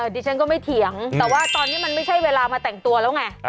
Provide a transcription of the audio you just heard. ดิฉันก็ไม่เถียงแต่ว่าตอนนี้มันไม่ใช่เวลามาแต่งตัวแล้วไง